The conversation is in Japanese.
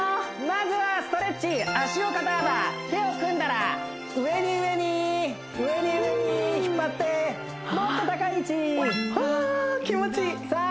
まずはストレッチ足を肩幅手を組んだら上に上に上に上に引っ張ってもっと高い位置あ